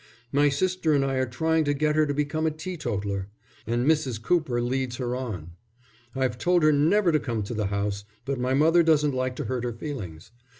My sister and I are trying to get her to become a teetotaller. And Mrs. Cooper leads her on. I've told her never to come to the house, but my mother doesn't like to hurt her feelings.